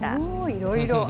いろいろ。